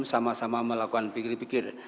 sama sama melakukan pikir pikir